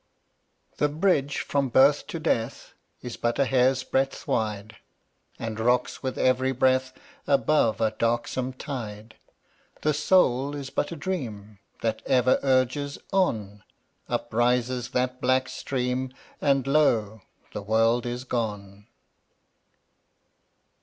The bridge from birth to death Is but a hair's breadth wide, And rocks with every breath Above a darksome tide. The soul is but a Dream That ever urges "On"; Uprises that black stream, And lo ! the world is gone.